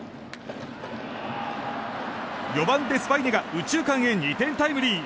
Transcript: ４番、デスパイネが右中間へ２点タイムリー。